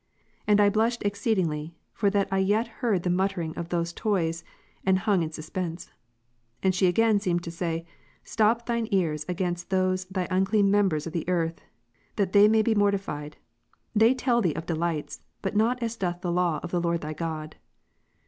And I blushed exceedingly, for that I yet heard the muttering of those toys, and hung in suspense. And she again seemed to say, " Stop thine ears against those thy unclean members on the earth, that they may be mortified. They tell thee of delights, but not as doth the laiv of the Lord thrj God."